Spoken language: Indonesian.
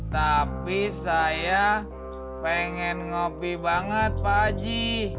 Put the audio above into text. tapi saya pengen ngopi banget pak haji